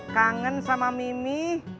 kangen sama mimi